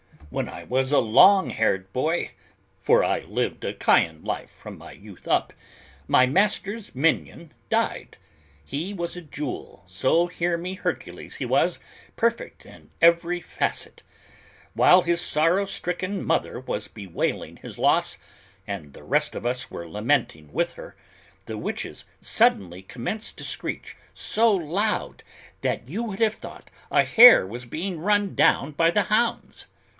When I was a long haired boy, for I lived a Chian life from my youth up, my master's minion died. He was a jewel, so hear me Hercules, he was, perfect in every facet. While his sorrow stricken mother was bewailing his loss, and the rest of us were lamenting with her, the witches suddenly commenced to screech so loud that you would have thought a hare was being run down by the hounds!